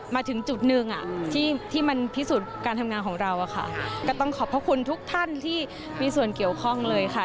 มาถึงจุดหนึ่งที่มันพิสูจน์การทำงานของเราก็ต้องขอบพระคุณทุกท่านที่มีส่วนเกี่ยวข้องเลยค่ะ